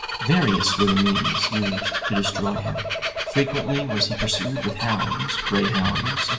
Various were the means used to destroy him: frequently was he pursued with hounds, greyhounds, &c.